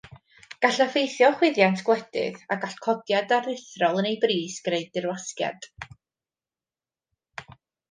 Gall effeithio chwyddiant gwledydd a gall codiad aruthrol yn ei bris greu dirwasgiad.